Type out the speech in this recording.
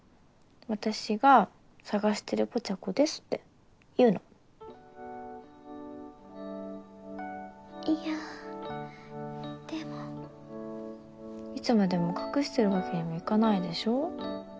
私が探してるぽちゃ子ですって言うのいやでもいつまでも隠してるわけにもいかないでしょ